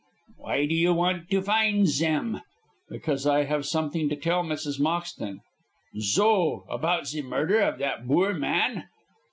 "Why do you want to finze zem?" "Because I have something to tell Mrs. Moxton." "Zo! About ze murder of dat boor man?"